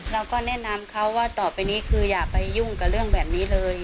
เราก็แนะนำเขาว่าต่อไปนี้คืออย่าไปยุ่งกับเรื่องแบบนี้เลย